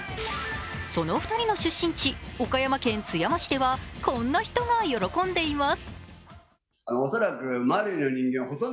その２人の出身地・岡山県津山市では、こんな人が喜んでいます。